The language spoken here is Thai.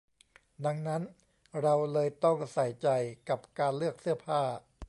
ดังนั้นเราเลยต้องใส่ใจกับการเลือกเสื้อผ้า